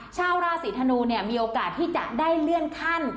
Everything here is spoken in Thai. ชาวราศีธนูเนี่ยมีโอกาสที่จะได้เลื่อนขั้น